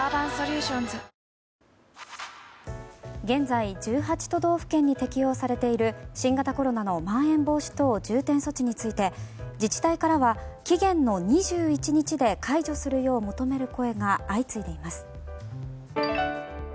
現在、１８都道府県に適用されている新型コロナのまん延防止等重点措置について自治体からは期限の２１日で解除するよう求める声が相次いでいます。